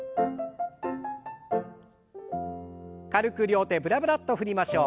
軽く両手ブラブラッと振りましょう。